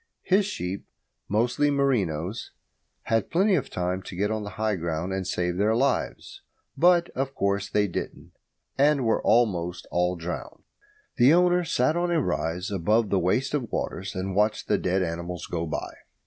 His sheep, mostly merinos, had plenty of time to get on to high ground and save their lives; but, of course, they didn't, and were almost all drowned. The owner sat on a rise above the waste of waters and watched the dead animals go by.